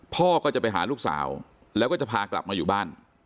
พ่อก็จะไปหาลูกสาวแล้วก็จะพากลับมาอยู่บ้าน